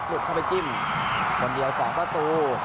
เข้าไปจิ้มคนเดียว๒ประตู